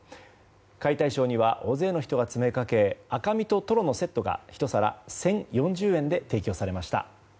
解体ショーには大勢の人が詰めかけ赤身とトロのセットが１皿１０４０円で提供されました。